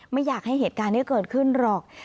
ไม่อยากให้เหตุการณ์นี้เกิดขึ้นหรอก